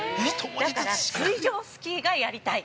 だから、水上スキーがやりたい。